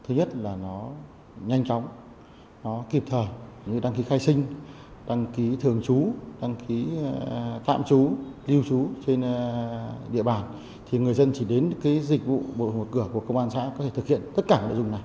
nhanh chóng kịp thời như đăng ký khai sinh đăng ký thường trú đăng ký tạm trú lưu trú trên địa bàn thì người dân chỉ đến cái dịch vụ bộ một cửa của công an xã có thể thực hiện tất cả nội dung này